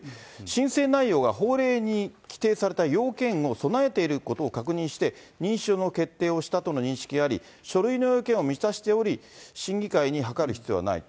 申請内容が法令に規定された要件を備えていることを確認して、認証の決定をしたとの認識があり、書類の要件を満たしており、審議会の諮る必要はない。